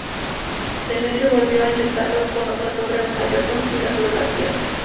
Demetrio volvió a intentarlo con otra torre aún mayor construida sobre la tierra.